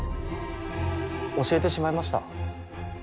教えてしまいました。